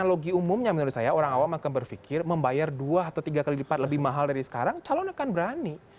analogi umumnya menurut saya orang awam akan berpikir membayar dua atau tiga kali lipat lebih mahal dari sekarang calon akan berani